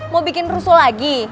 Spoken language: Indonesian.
mau bikin rusuh lagi